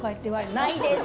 「ないです！」